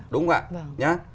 đúng không ạ